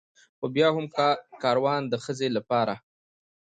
خو بيا هم کاروان د ښځې لپاره